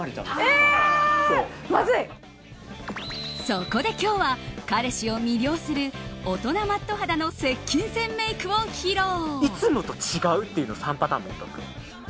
そこで今日は、彼氏を魅了する大人マット肌の接近戦メイクを披露。